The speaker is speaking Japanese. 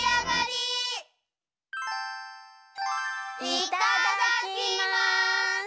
いただきます！